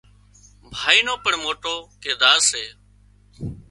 ڀائي نو پڻ موٽو ڪردار سي